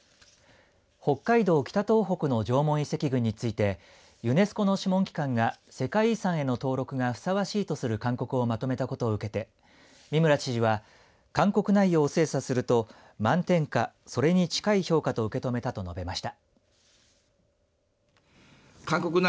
北海道・北東北の縄文遺跡群についてユネスコの諮問機関が世界遺産への登録がふさわしいとする勧告をまとめたことを受けて三村知事は勧告内容を精査すると満点か、それに近い評価と受け止めたと述べました。